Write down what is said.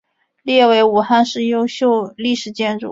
列为武汉市优秀历史建筑。